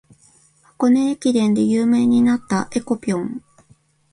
箱根駅伝で有名になった「えこぴょん」